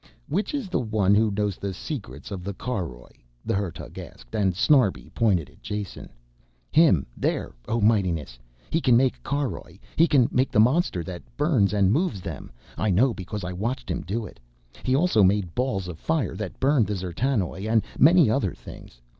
"Which is the one who knows the secrets of the caroj?" the Hertug asked and Snarbi pointed at Jason. "Him there, oh mightiness. He can make caroj and he can make the monster that burns and moves them, I know because I watched him do it. He also made balls of fire that burned the D'zertanoj and many other things.